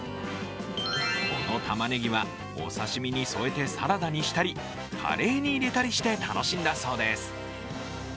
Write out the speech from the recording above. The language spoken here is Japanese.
このたまねぎはお刺身に添えてサラダにしたりカレーに入れたりして楽しんだそうです。